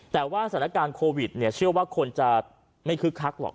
แต่ว่าสถานการณ์โควิดเชื่อว่าคนจะไม่คึกคักหรอก